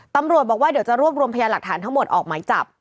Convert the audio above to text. ตำรวจบอกว่าเดี๋ยวจะรวบรวมพยานหลักฐานทั้งหมดออกหมายจับ